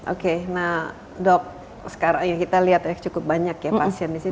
oke nah dok sekarang kita lihat cukup banyak ya pasien disini